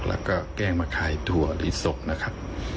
แล้วก็แกล้งมาขายถั่วหรือส่งนะครับ